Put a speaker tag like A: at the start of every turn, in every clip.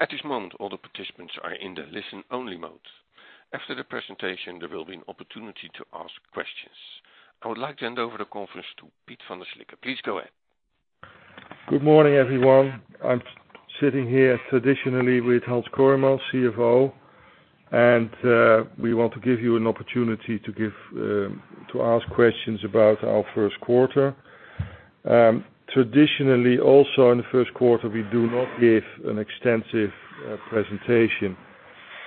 A: At this moment, all the participants are in the listen-only mode. After the presentation, there will be an opportunity to ask questions. I would like to hand over the conference to Piet van der Slikke. Please go ahead.
B: Good morning, everyone. I'm sitting here traditionally with Hans Kooijmans, CFO, and we want to give you an opportunity to ask questions about our first quarter. Traditionally, also in the first quarter, we do not give an extensive presentation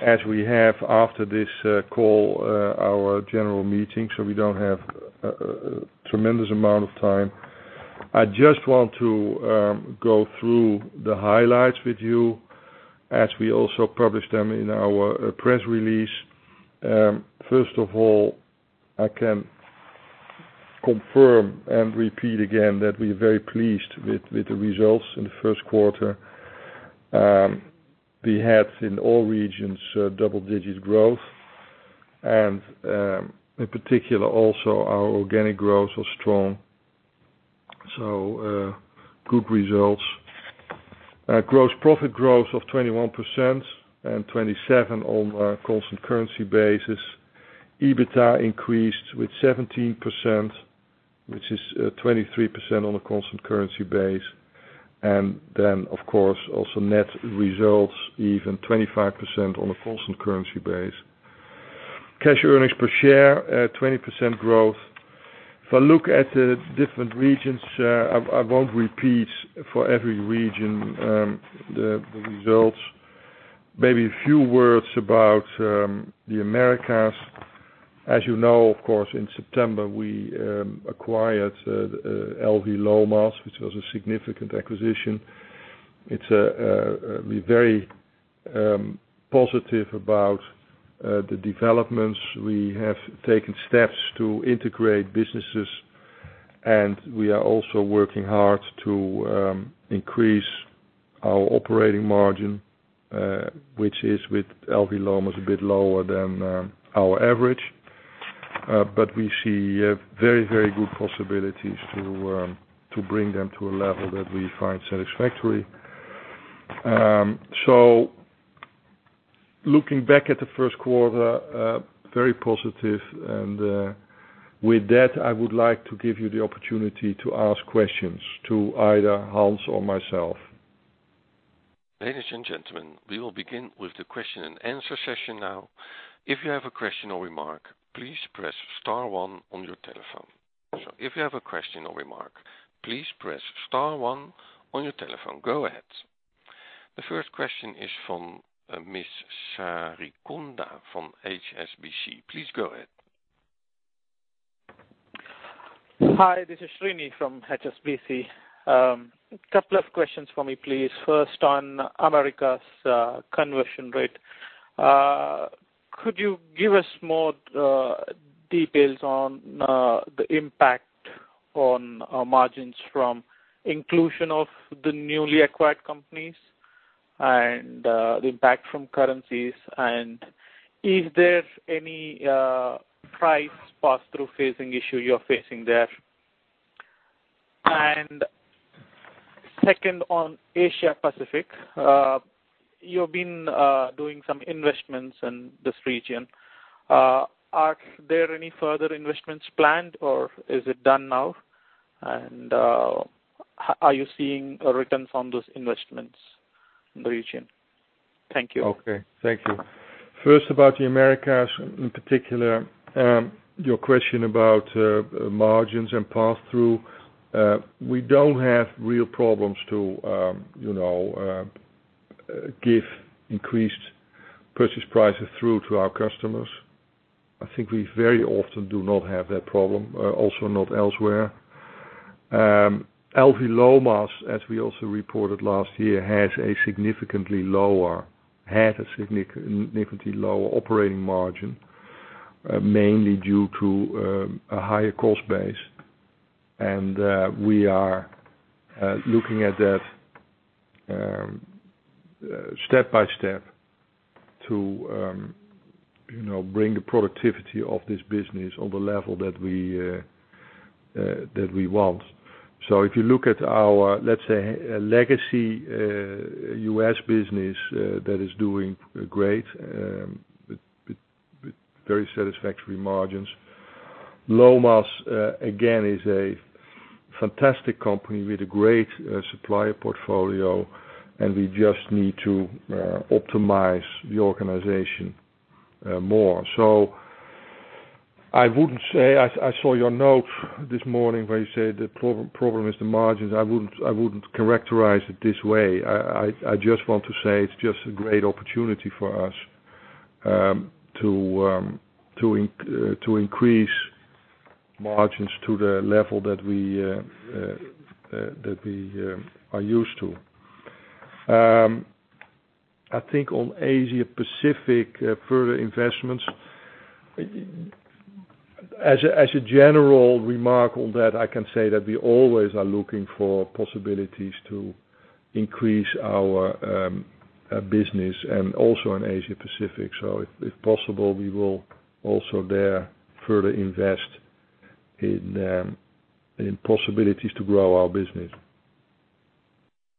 B: as we have after this call, our general meeting, so we don't have a tremendous amount of time. I just want to go through the highlights with you as we also publish them in our press release. First of all, I can confirm and repeat again that we're very pleased with the results in the first quarter. We had in all regions double-digit growth and in particular, also our organic growth was strong. Good results. Gross profit growth of 21% and 27% on a constant currency basis. EBITA increased with 17%, which is 23% on a constant currency base. Of course, also net results even 25% on a constant currency base. Cash earnings per share at 20% growth. If I look at the different regions, I won't repeat for every region the results. Maybe a few words about the Americas. As you know, of course, in September we acquired LV Lomas, which was a significant acquisition. We're very positive about the developments. We have taken steps to integrate businesses, and we are also working hard to increase our operating margin, which is with LV Lomas, a bit lower than our average. We see very good possibilities to bring them to a level that we find satisfactory. Looking back at the first quarter, very positive, and with that, I would like to give you the opportunity to ask questions to either Hans or myself.
A: Ladies and gentlemen, we will begin with the question and answer session now. If you have a question or remark, please press star one on your telephone. Go ahead. The first question is from Ms. Srini from HSBC. Please go ahead.
C: Hi, this is Srini from HSBC. Couple of questions for me, please. First, on Americas conversion rate. Could you give us more details on the impact on margins from inclusion of the newly acquired companies and the impact from currencies? Is there any price pass-through phasing issue you're facing there? Second, on Asia Pacific. You've been doing some investments in this region. Are there any further investments planned or is it done now? Are you seeing a return from those investments in the region? Thank you.
B: Okay. Thank you. First, about the Americas in particular, your question about margins and pass-through. We don't have real problems to give increased purchase prices through to our customers. I think we very often do not have that problem, also not elsewhere. LV Lomas, as we also reported last year, had a significantly lower operating margin, mainly due to a higher cost base. We are looking at that step by step to bring the productivity of this business on the level that we want. If you look at our, let's say, legacy U.S. business, that is doing great with very satisfactory margins. Lomas, again, is a fantastic company with a great supplier portfolio, and we just need to optimize the organization more. I saw your note this morning where you said the problem is the margins. I wouldn't characterize it this way. I just want to say it's just a great opportunity for us to increase margins to the level that we are used to. I think on Asia Pacific, further investments. As a general remark on that, I can say that we always are looking for possibilities to increase our business and also in Asia Pacific. If possible, we will also there further invest in possibilities to grow our business.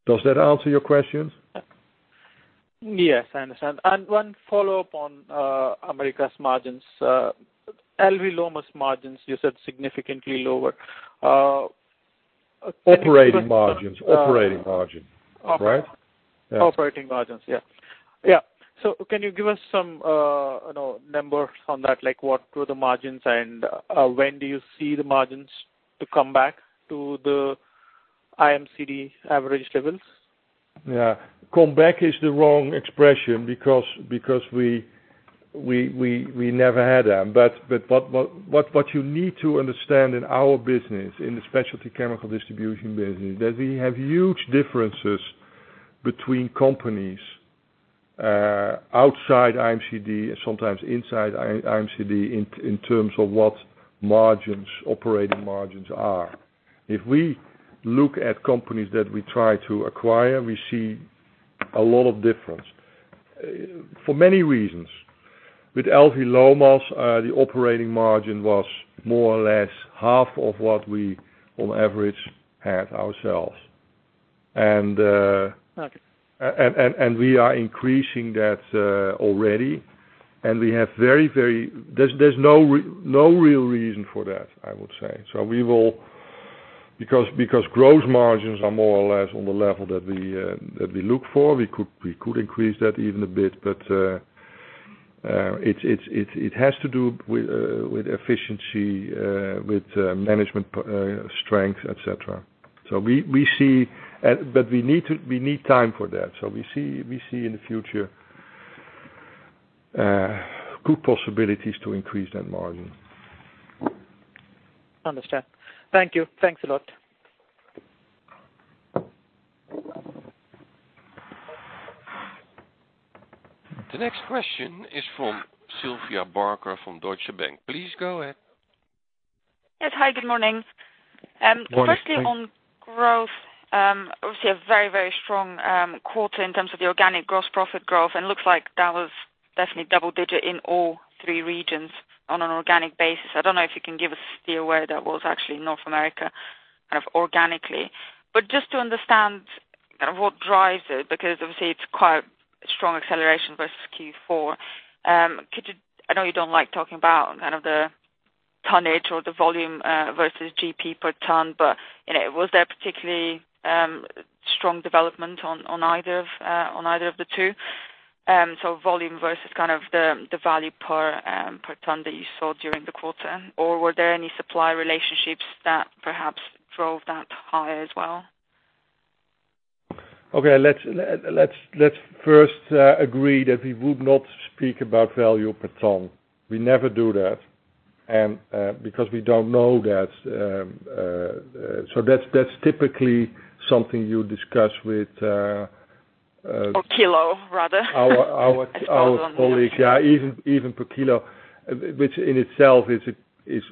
B: Does that answer your questions?
C: Yes, I understand. One follow-up on Americas margins. LV Lomas margins, you said significantly lower.
B: Operating margins, right?
C: Operating margins, yeah. Can you give us some numbers on that? Like what were the margins and when do you see the margins to come back to the IMCD average levels?
B: Yeah. Come back is the wrong expression because we never had them. What you need to understand in our business, in the specialty chemical distribution business, that we have huge differences between companies, outside IMCD, sometimes inside IMCD, in terms of what Operating margins are. If we look at companies that we try to acquire, we see a lot of difference. For many reasons. With LV Lomas, the Operating margin was more or less half of what we on average had ourselves.
C: Okay.
B: We are increasing that already. There's no real reason for that, I would say. Gross margins are more or less on the level that we look for. We could increase that even a bit. It has to do with efficiency, with management strength, et cetera. We need time for that. We see in the future good possibilities to increase that margin.
C: Understand. Thank you. Thanks a lot.
A: The next question is from Sylvia Barker from Deutsche Bank. Please go ahead.
D: Yes. Hi, good morning.
B: Morning.
D: Firstly on growth, obviously a very strong quarter in terms of the organic gross profit growth, and looks like that was definitely double-digit in all three regions on an organic basis. I don't know if you can give us the way that was actually North America kind of organically. Just to understand kind of what drives it, because obviously it's quite strong acceleration versus Q4. I know you don't like talking about kind of the tonnage or the volume, versus GP per ton, but was there particularly strong development on either of the two? Volume versus kind of the value per ton that you saw during the quarter, or were there any supply relationships that perhaps drove that high as well?
B: Okay, let's first agree that we would not speak about value per ton. We never do that. We don't know that. That's typically something you discuss with-
D: Kilo rather
B: our colleagues. Yeah, even per kilo. Which in itself is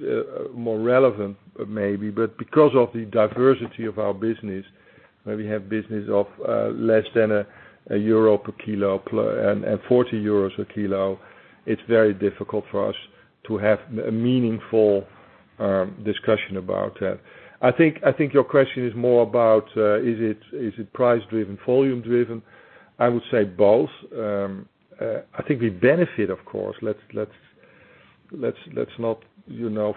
B: more relevant maybe, but because of the diversity of our business, where we have business of less than EUR 1 per kilo and 40 euros a kilo, it's very difficult for us to have a meaningful discussion about that. I think your question is more about, is it price driven, volume driven? I would say both. I think we benefit, of course. Let's not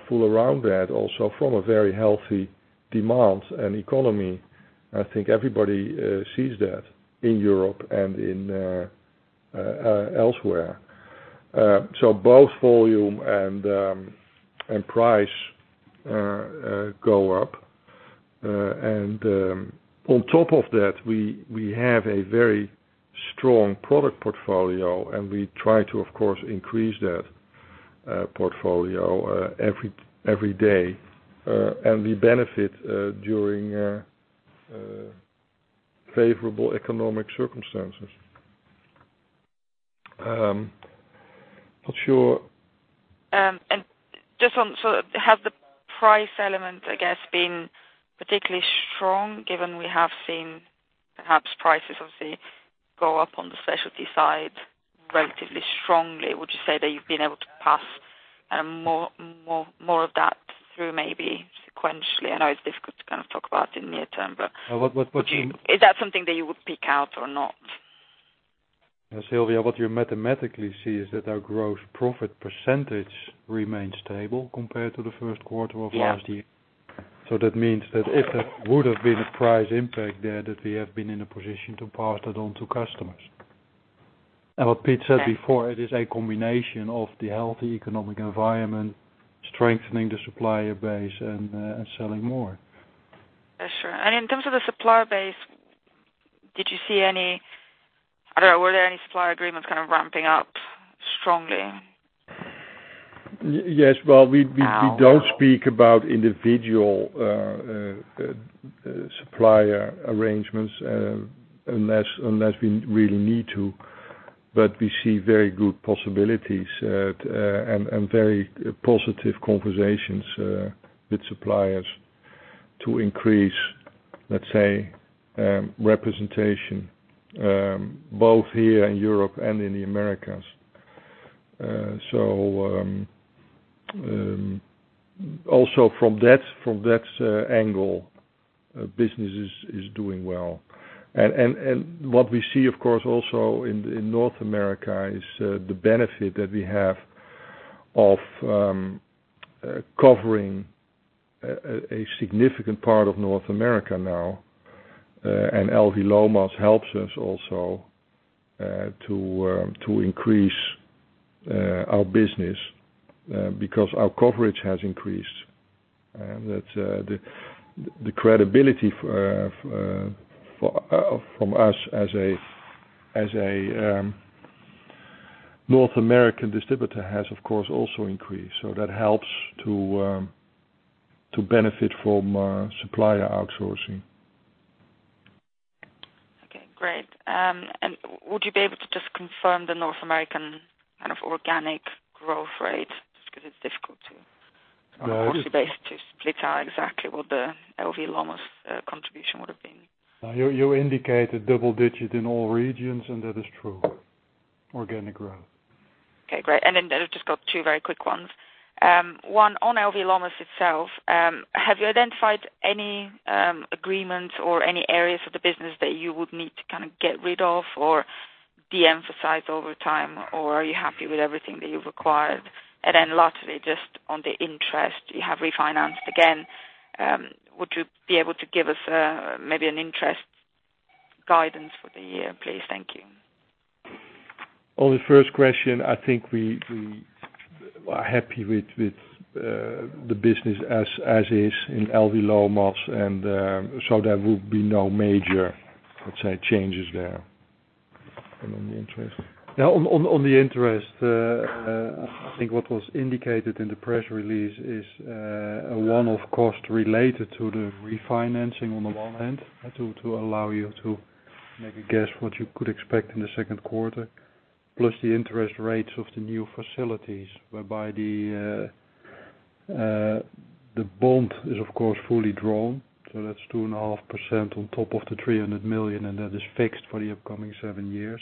B: fool around that also from a very healthy demand and economy. I think everybody sees that in Europe and elsewhere. Both volume and price go up. On top of that, we have a very strong product portfolio, and we try to, of course, increase that portfolio every day. We benefit during favorable economic circumstances. Not sure.
D: Has the price element, I guess, been particularly strong given we have seen perhaps prices obviously go up on the specialty side relatively strongly? Would you say that you've been able to pass more of that through, maybe sequentially? I know it's difficult to kind of talk about in near term but-
B: What would you-
D: Is that something that you would pick out or not?
B: Sylvia, what you mathematically see is that our gross profit percentage remains stable compared to the first quarter of last year.
D: Yeah.
B: That means that if there would have been a price impact there, that we have been in a position to pass that on to customers. What Piet said before, it is a combination of the healthy economic environment, strengthening the supplier base, and selling more.
D: That's sure. In terms of the supplier base, were there any supplier agreements kind of ramping up strongly?
B: Yes. Well, we don't speak about individual supplier arrangements, unless we really need to. We see very good possibilities, and very positive conversations with suppliers to increase, let's say, representation, both here in Europe and in the Americas. Also from that angle, business is doing well. What we see, of course, also in North America is the benefit that we have of covering a significant part of North America now. LV Lomas helps us also to increase our business because our coverage has increased. The credibility from us as a North American distributor has, of course, also increased. That helps to benefit from supplier outsourcing.
D: Okay, great. Would you be able to just confirm the North American organic growth rate? Just because it's difficult, on a quarterly basis, to split out exactly what the LV Lomas contribution would have been.
B: You indicated double digit in all regions, and that is true organic growth.
D: Okay, great. I've just got two very quick ones. One on LV Lomas itself. Have you identified any agreements or any areas of the business that you would need to get rid of or de-emphasize over time? Are you happy with everything that you've acquired? Lastly, just on the interest, you have refinanced again. Would you be able to give us maybe an interest guidance for the year, please? Thank you.
B: On the first question, I think we are happy with the business as is in LV Lomas, there will be no major, let's say, changes there.
E: On the interest?
B: On the interest, I think what was indicated in the press release is a one-off cost related to the refinancing on the one hand, to allow you to make a guess what you could expect in the second quarter, plus the interest rates of the new facilities, whereby the bond is, of course, fully drawn, so that's 2.5% on top of the 300 million, and that is fixed for the upcoming seven years.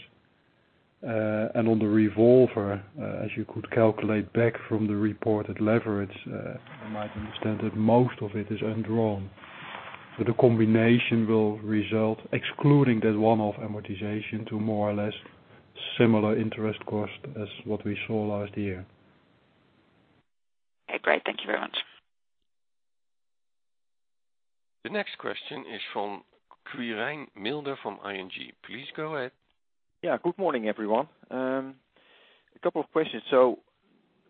B: On the revolver, as you could calculate back from the reported leverage, you might understand that most of it is undrawn. The combination will result, excluding that one-off amortization, to more or less similar interest cost as what we saw last year.
D: Okay, great. Thank you very much.
A: The next question is from Quirijn Mulder from ING. Please go ahead.
F: Good morning, everyone. A couple of questions.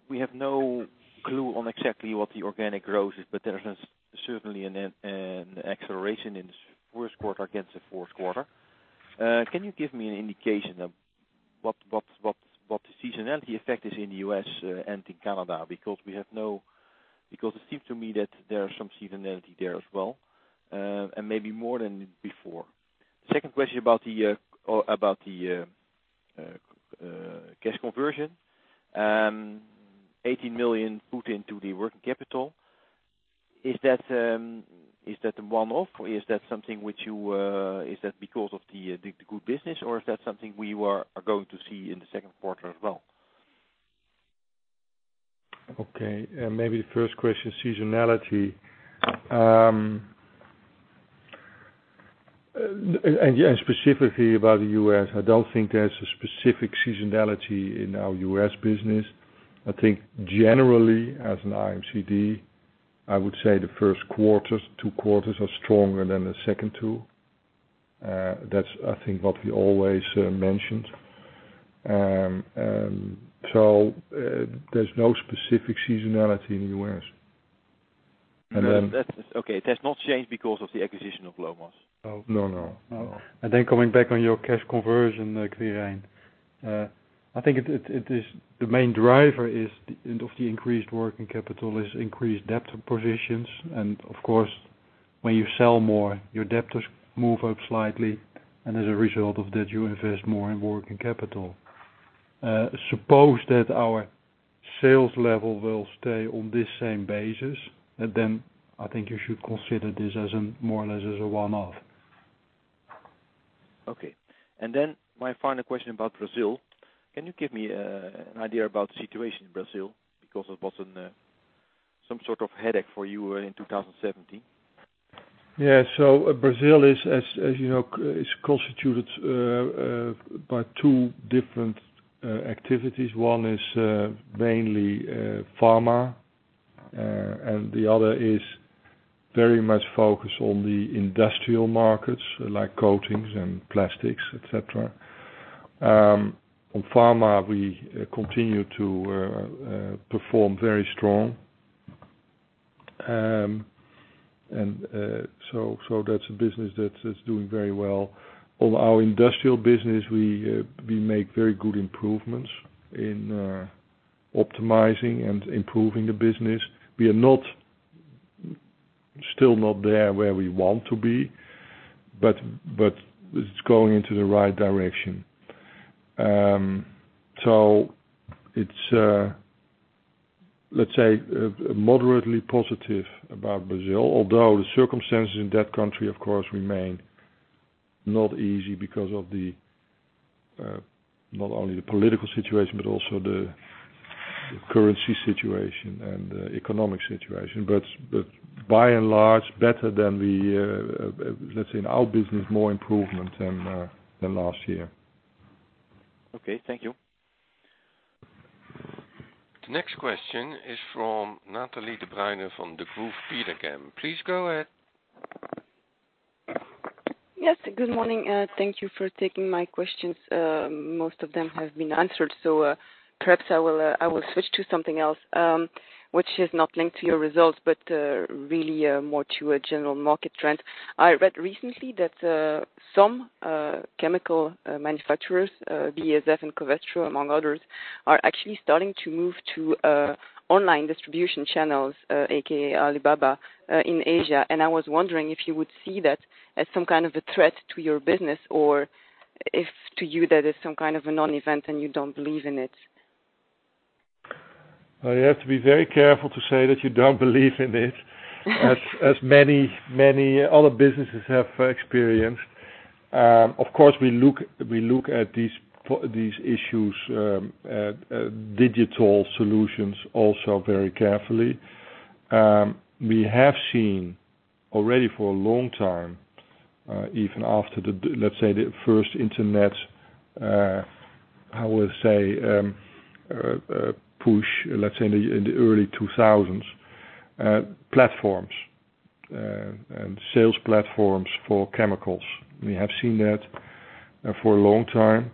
F: We have no clue on exactly what the organic growth is, but there's certainly an acceleration in the first quarter against the fourth quarter. Can you give me an indication of what the seasonality effect is in the U.S. and in Canada? Because it seems to me that there are some seasonality there as well, and maybe more than before. Second question about the cash conversion. 18 million put into the working capital. Is that a one-off? Is that because of the good business, or is that something we are going to see in the second quarter as well?
B: Maybe the first question, seasonality. Specifically about the U.S., I don't think there's a specific seasonality in our U.S. business. I think generally as an IMCD, I would say the first two quarters are stronger than the second two. That's I think what we always mentioned. There's no specific seasonality in the U.S.
F: Okay. That's not changed because of the acquisition of LV Lomas.
B: No.
E: Coming back on your cash conversion, Quirijn. I think the main driver of the increased working capital is increased debt positions. Of course, when you sell more, your debtors move up slightly, and as a result of that, you invest more in working capital. Suppose that our sales level will stay on this same basis, I think you should consider this more or less as a one-off.
F: Okay. My final question about Brazil. Can you give me an idea about the situation in Brazil? Because it was some sort of headache for you in 2017.
B: Yeah. Brazil, as you know, is constituted by two different activities. One is mainly Pharmaceuticals, and the other is very much focused on the industrial markets, like Coatings and Plastics, et cetera. On Pharmaceuticals, we continue to perform very strong. That's a business that's doing very well. On our industrial business, we make very good improvements in optimizing and improving the business. We are still not there where we want to be, it's going into the right direction. It's, let's say, moderately positive about Brazil, although the circumstances in that country, of course, remain not easy because of not only the political situation, but also the currency situation and the economic situation. By and large, better than the, let's say in our business, more improvement than last year.
F: Okay. Thank you.
A: The next question is from Nathalie De Bruyne from Degroof Petercam. Please go ahead.
G: Yes. Good morning. Thank you for taking my questions. Most of them have been answered. Perhaps I will switch to something else, which is not linked to your results, but really more to a general market trend. I read recently that some chemical manufacturers, BASF and Covestro, among others, are actually starting to move to online distribution channels, AKA Alibaba, in Asia. I was wondering if you would see that as some kind of a threat to your business or if to you that is some kind of a non-event and you don't believe in it.
B: Well, you have to be very careful to say that you don't believe in it, as many other businesses have experienced. Of course, we look at these issues, at digital solutions also very carefully. We have seen already for a long time, even after, let's say the first internet, how we'll say, push, let's say in the early 2000s, platforms and sales platforms for chemicals. We have seen that for a long time.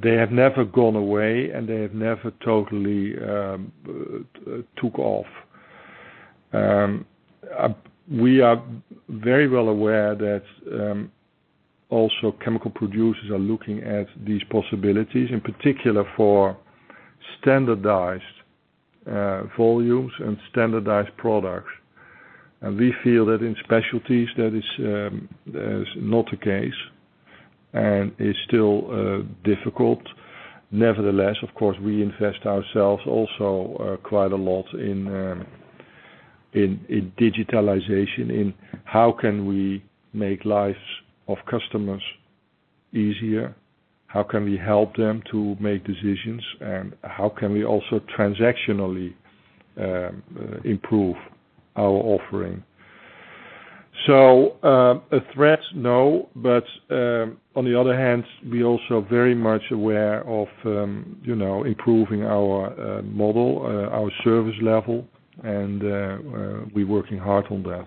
B: They have never gone away, and they have never totally took off. We are very well aware that also chemical producers are looking at these possibilities, in particular for standardized volumes and standardized products. We feel that in specialties, that is not the case, and it's still difficult. Nevertheless, of course, we invest ourselves also quite a lot in digitalization, in how can we make lives of customers easier, how can we help them to make decisions, and how can we also transactionally improve our offering. A threat, no, but on the other hand, we also very much aware of improving our model, our service level, and we're working hard on that.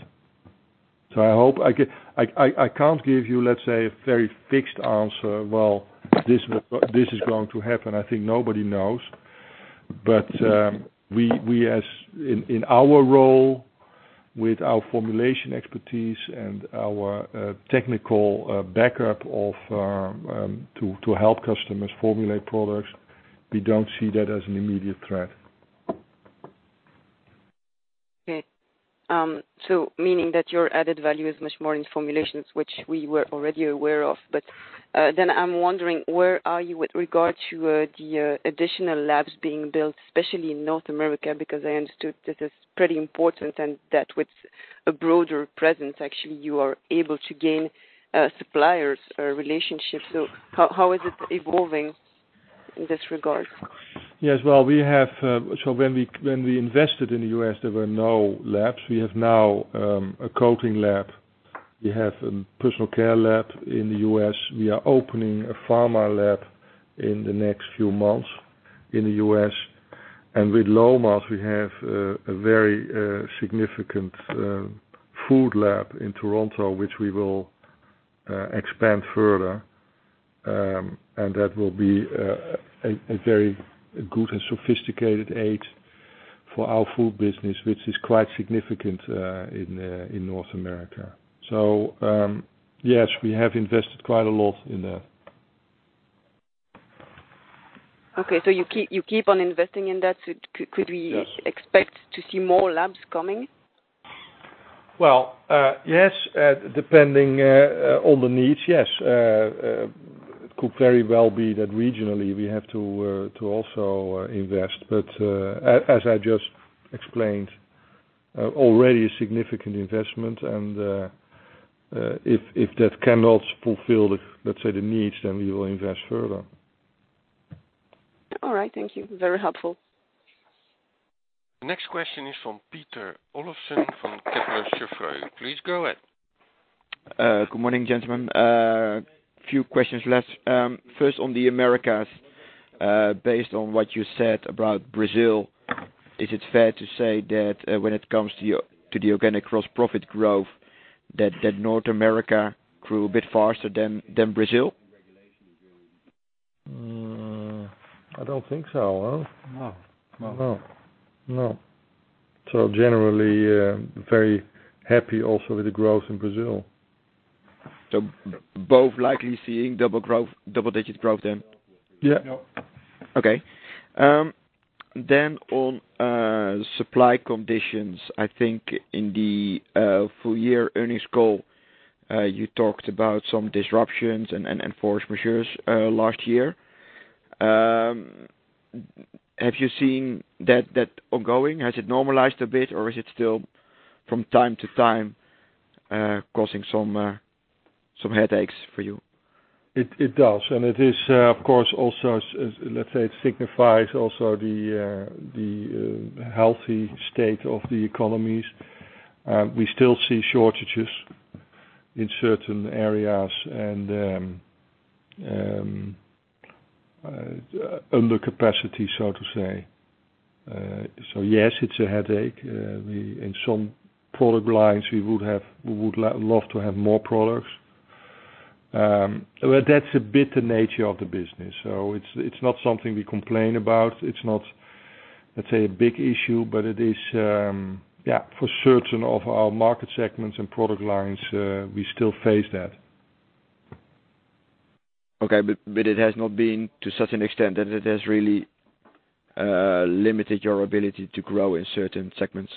B: I can't give you, let's say, a very fixed answer, well, this is going to happen, I think nobody knows. We as in our role with our formulation expertise and our technical backup to help customers formulate products, we don't see that as an immediate threat.
G: Okay. Meaning that your added value is much more in formulations, which we were already aware of. I'm wondering where are you with regard to the additional labs being built, especially in North America, because I understood that is pretty important and that with a broader presence, actually, you are able to gain suppliers or relationships. How is it evolving in this regard?
B: Yes. When we invested in the U.S., there were no labs. We have now a coating lab. We have a personal care lab in the U.S. We are opening a pharma lab in the next few months in the U.S. With Lomas, we have a very significant food lab in Toronto, which we will expand further. That will be a very good and sophisticated aid for our food business, which is quite significant in North America. Yes, we have invested quite a lot in that.
G: Okay, you keep on investing in that.
B: Yes.
G: Could we expect to see more labs coming?
B: Yes, depending on the needs. Yes, it could very well be that regionally we have to also invest. As I just explained, already a significant investment and if that cannot fulfill, let's say, the needs, then we will invest further.
G: All right. Thank you. Very helpful.
A: The next question is from Peter Olofsen from Kepler Cheuvreux. Please go ahead.
H: Good morning, gentlemen. Few questions left. First on the Americas, based on what you said about Brazil, is it fair to say that when it comes to the organic gross profit growth, that North America grew a bit faster than Brazil?
B: I don't think so.
E: No.
B: No. Generally, very happy also with the growth in Brazil.
H: Both likely seeing double-digit growth then?
B: Yeah.
E: Yeah.
H: Okay. On supply conditions. I think in the full year earnings call, you talked about some disruptions and enforced measures last year. Have you seen that ongoing? Has it normalized a bit or is it still from time to time causing some headaches for you?
B: It does, and it is, of course, also let's say it signifies also the healthy state of the economies. We still see shortages in certain areas and under capacity, so to say. Yes, it's a headache. In some product lines, we would love to have more products. Well, that's a bit the nature of the business, so it's not something we complain about. It's not, let's say, a big issue, but it is, yeah, for certain of our market segments and product lines, we still face that.
H: Okay. It has not been to such an extent that it has really limited your ability to grow in certain segments?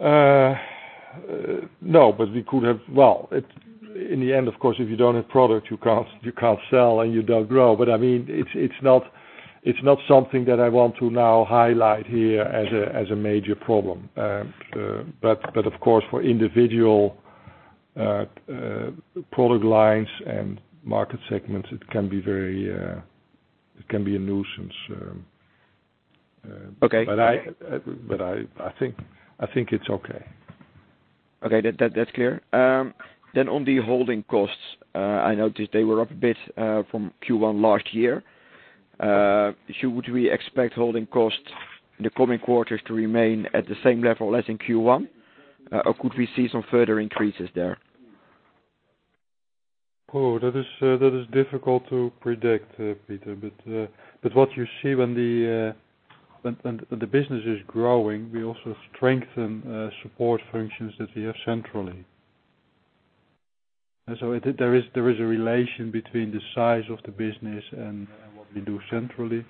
B: No, we could have. Well, in the end, of course, if you don't have product, you can't sell and you don't grow. It's not something that I want to now highlight here as a major problem. Of course, for individual product lines and market segments, it can be a nuisance.
H: Okay.
B: I think it's okay.
H: Okay. That's clear. On the holding costs, I noticed they were up a bit from Q1 last year. Should we expect holding costs in the coming quarters to remain at the same level as in Q1, or could we see some further increases there?
B: That is difficult to predict, Peter. What you see when the business is growing, we also strengthen support functions that we have centrally. There is a relation between the size of the business and what we do centrally.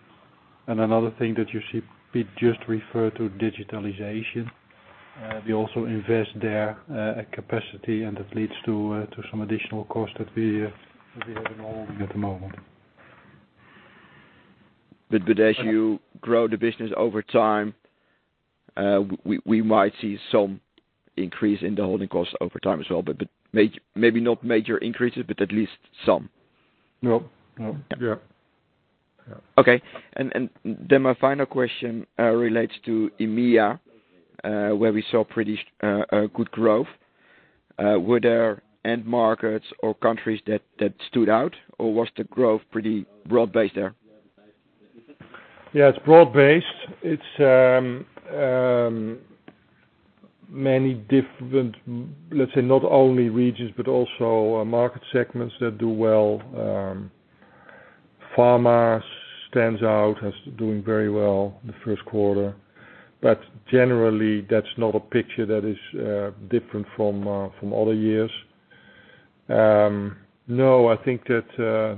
B: Another thing that you see, Piet just referred to digitalization. We also invest there at capacity, and that leads to some additional cost that we are involving at the moment.
H: As you grow the business over time, we might see some increase in the holding costs over time as well, but maybe not major increases, but at least some.
B: No. Yeah.
H: Okay. My final question relates to EMEA, where we saw pretty good growth. Were there end markets or countries that stood out, or was the growth pretty broad-based there?
B: Yeah, it's broad-based. It's many different, let's say, not only regions, but also market segments that do well. Pharma stands out as doing very well in the first quarter. Generally, that's not a picture that is different from other years. No, I think that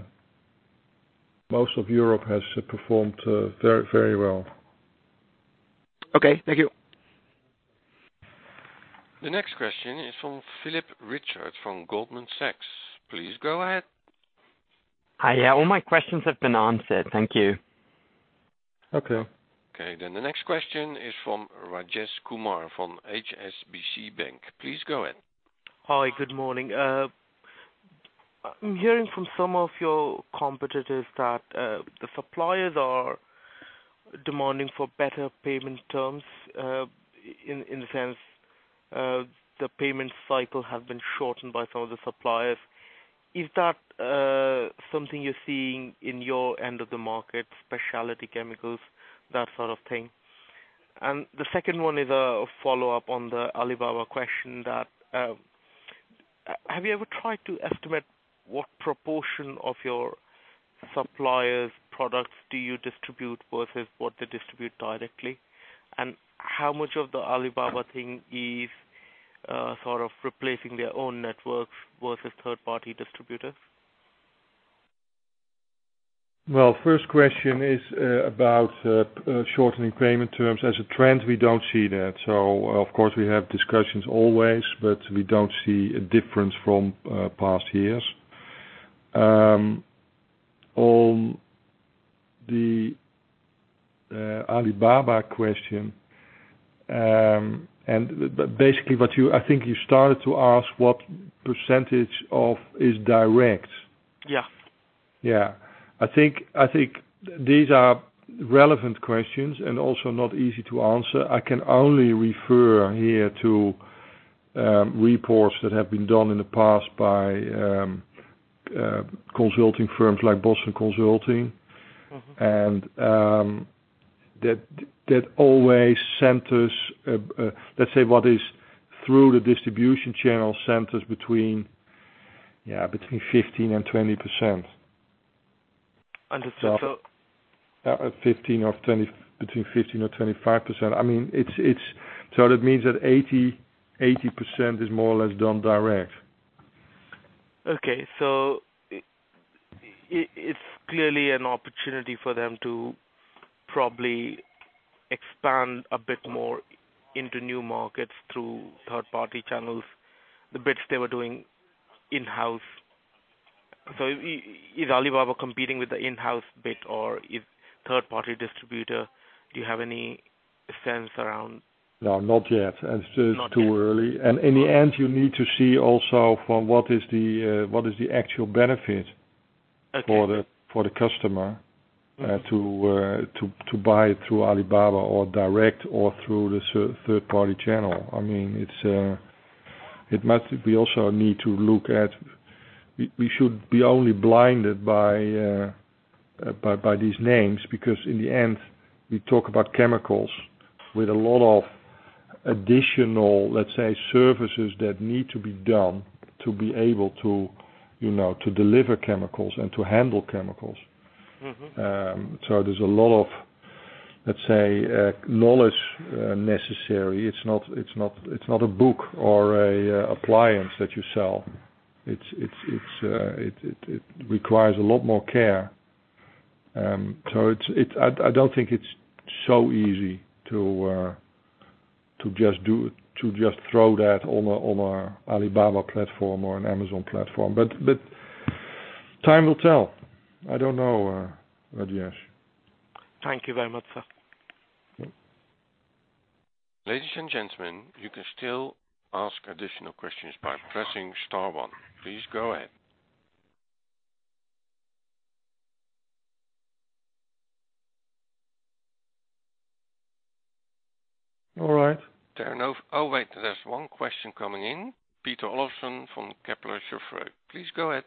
B: most of Europe has performed very well.
H: Okay. Thank you.
A: The next question is from Philip Richard, from Goldman Sachs. Please go ahead.
I: Hi. All my questions have been answered. Thank you.
B: Okay.
A: Okay, the next question is from Rajesh Kumar from HSBC Bank. Please go ahead.
J: Hi, good morning. I'm hearing from some of your competitors that the suppliers are demanding for better payment terms, in the sense, the payment cycle has been shortened by some of the suppliers. Is that something you're seeing in your end of the market, specialty chemicals, that sort of thing? The second one is a follow-up on the Alibaba question that, have you ever tried to estimate what proportion of your suppliers' products do you distribute versus what they distribute directly? How much of the Alibaba thing is sort of replacing their own networks versus third-party distributors?
B: Well, first question is about shortening payment terms. As a trend, we don't see that. Of course, we have discussions always, but we don't see a difference from past years. On the Alibaba question, basically I think you started to ask what % of is direct.
J: Yeah.
B: Yeah. I think these are relevant questions and also not easy to answer. I can only refer here to reports that have been done in the past by consulting firms like Boston Consulting. That always centers, let's say, what is through the distribution channel centers between 15%-20%.
J: Understood.
B: Between 15% or 25%. That means that 80% is more or less done direct.
J: Okay. It's clearly an opportunity for them to probably expand a bit more into new markets through third-party channels, the bits they were doing in-house. Is Alibaba competing with the in-house bit, or is third-party distributor? Do you have any sense around?
B: No, not yet.
J: Not yet.
B: It's just too early. In the end, you need to see also from what is the actual benefit.
J: Okay
B: for the customer to buy through Alibaba or direct or through the third-party channel. We should be only blinded by these names, because in the end, we talk about chemicals with a lot of additional, let's say, services that need to be done to be able to deliver chemicals and to handle chemicals. There's a lot of, let's say, knowledge necessary. It's not a book or a appliance that you sell. It requires a lot more care. I don't think it's so easy to just throw that on a Alibaba platform or an Amazon platform. Time will tell. I don't know, Rajesh.
J: Thank you very much, sir.
B: Yep.
A: Ladies and gentlemen, you can still ask additional questions by pressing star one. Please go ahead.
B: All right.
A: Oh, wait. There's one question coming in. Peter Olofsen from Kepler Cheuvreux. Please go ahead.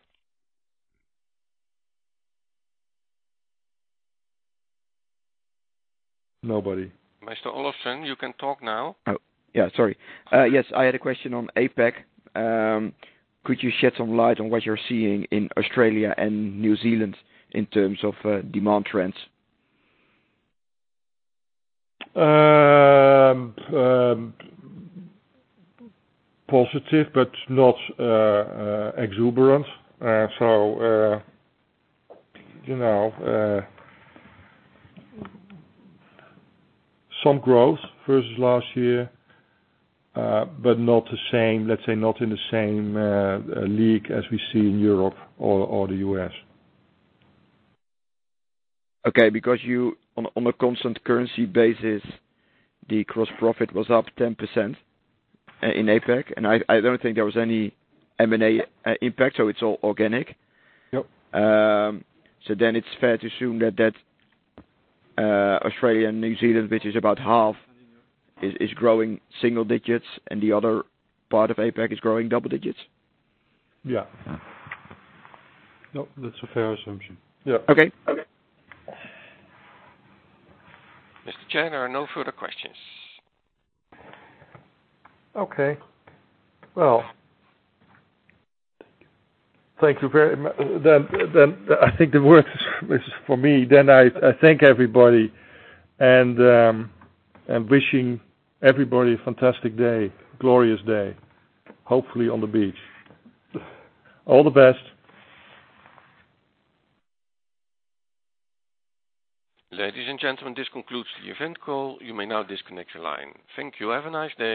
B: Nobody.
A: Mr. Olofsen, you can talk now.
H: I had a question on APAC. Could you shed some light on what you're seeing in Australia and New Zealand in terms of demand trends?
B: Positive, but not exuberant. Some growth versus last year, but let's say, not in the same league as we see in Europe or the U.S.
H: On a constant currency basis, the gross profit was up 10% in APAC, and I don't think there was any M&A impact, it's all organic.
B: Yep.
H: It's fair to assume that Australia and New Zealand, which is about half, is growing single digits, and the other part of APAC is growing double digits?
B: Yeah.
H: Yeah.
B: Nope, that's a fair assumption. Yep.
H: Okay.
A: Mr. Chair, there are no further questions.
B: Okay. Well, thank you very much. I think the work is for me. I thank everybody, and wishing everybody a fantastic day, glorious day, hopefully on the beach. All the best.
A: Ladies and gentlemen, this concludes the earnings call. You may now disconnect your line. Thank you. Have a nice day.